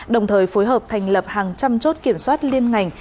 đồng thời phối hợp thành lập hàng trăm chốt kiểm soát liên ngành